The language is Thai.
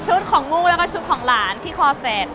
ชุดของมู้และชุดของหลานที่คลอเซต